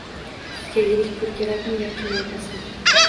Sizga yirik pul kerakmi yoki maydasimi?